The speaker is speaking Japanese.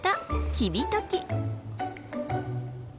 キビタキ。